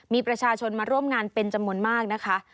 มีประชาชนมาร่วมงานเป็นจำนวนมากนะคะ